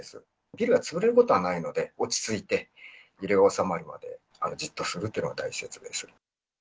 ビルが潰れることはないので、落ち着いて、揺れが収まるまでじっとするっていうのが大切です。